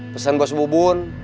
pesan bos bubun